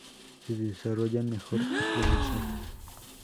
Se desarrollan mejor a pleno sol.